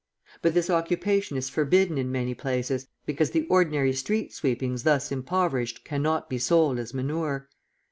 But this occupation is forbidden in many places, because the ordinary street sweepings thus impoverished cannot be sold as manure.